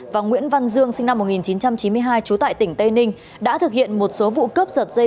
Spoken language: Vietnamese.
và nguyễn văn dương sinh năm một nghìn chín trăm chín mươi hai trú tại tỉnh tây ninh đã thực hiện một số vụ cướp giật dây